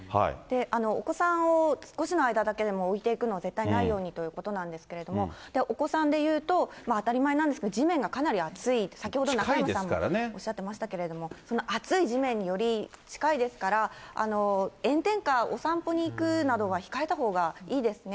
お子さんを少しの間だけでも置いていくのは絶対にないようにということなんですけれども、お子さんでいうと、当たり前なんですが地面がかなり熱い、先ほど中山さんもおっしゃっていましたけれども、その熱い地面により近いですから、炎天下、お散歩に行くなどは控えたほうがいいですね。